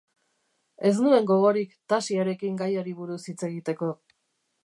Ez nuen gogorik Tasiarekin gaiari buruz hitz egiteko.